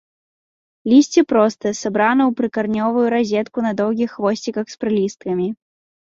Лісце простае, сабрана ў прыкаранёвую разетку на доўгіх хвосціках з прылісткамі.